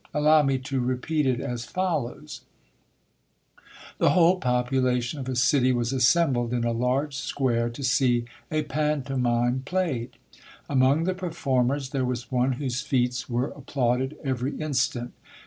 Allow me to repeat it as follows :— 1) The whole population of a city was assembled in a large square to see a pantomime played. Among the performers there was one whose feats were applauded every instant.